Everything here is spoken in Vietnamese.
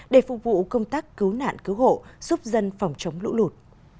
để phục vụ công tác cứu nạn cứu hộ giúp dân phòng chống lũ lụt